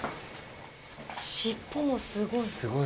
尻尾もすごい。